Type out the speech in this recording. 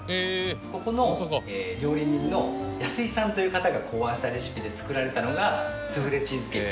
ここの料理人の安井さんという方が考案したレシピで作られたのがスフレチーズケーキ。